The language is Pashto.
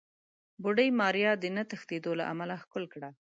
بوډۍ ماريا د نه تښتېدو له امله ښکل کړه.